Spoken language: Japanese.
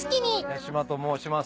八嶋と申します。